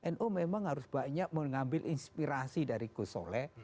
nu memang harus banyak mengambil inspirasi dari gus soleh